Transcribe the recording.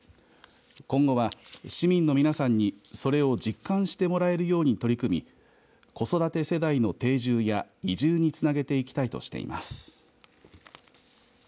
今後は市民のみなさんにそれを実感してもらえるように取り組み子育て世代の定住や移住につなげていきたいとしています。